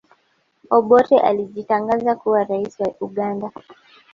obote alijitangaza kuwa raisi wa uganda